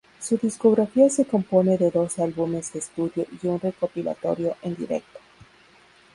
Su discografía se compone de dos álbumes de estudio y un recopilatorio en directo.